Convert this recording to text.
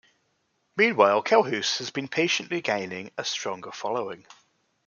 Meanwhile Kellhus has been patiently gaining a stronger following.